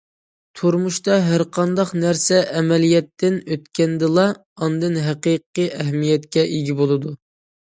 تۇرمۇشتا ھەرقانداق نەرسە ئەمەلىيەتتىن ئۆتكەندىلا ئاندىن ھەقىقىي ئەھمىيەتكە ئىگە بولىدۇ.